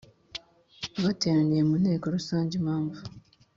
Bateraniye mu nteko rusange impamvu